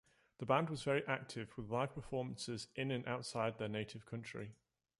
The band was very active with live performances in and outside their native country.